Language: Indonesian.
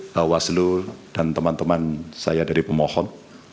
bawaslu dan teman teman saya dari pemohon